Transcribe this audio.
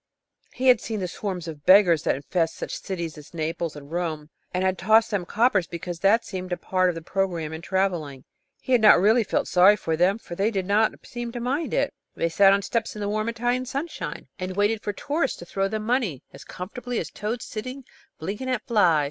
He had seen the swarms of beggars that infest such cities as Naples and Rome, and had tossed them coppers because that seemed a part of the programme in travelling. He had not really felt sorry for them, for they did not seem to mind it. They sat on the steps in the warm Italian sunshine, and waited for tourists to throw them money, as comfortably as toads sit blinking at flies.